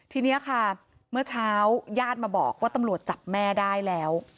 ทีนี้ค่ะเมื่อเช้าญาติมาบอกว่าตำรวจจับแม่ได้แล้ว